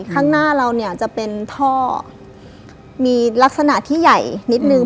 ข้างหน้าเราเนี่ยจะเป็นท่อมีลักษณะที่ใหญ่นิดนึง